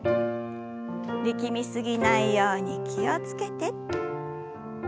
力み過ぎないように気を付けて。